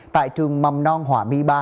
tại trường mầm non họa my ba